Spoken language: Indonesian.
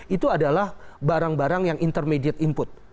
itu adalah barang barang yang intermediate input